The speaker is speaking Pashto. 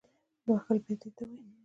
وهل بیا دې ته وایي